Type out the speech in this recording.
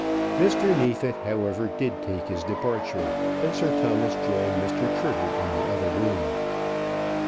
Mr. Neefit, however, did take his departure, and Sir Thomas joined Mr. Trigger in the other room.